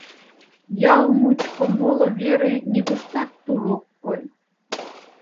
Ял мучко моло вере нигуштат тул ок кой.